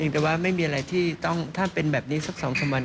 แต่ว่าถ้าเป็นแบบนี้สัก๒๓วัน